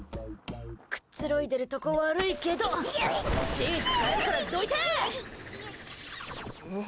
くつろいでるとこ悪いけどシーツ替えるからどいて！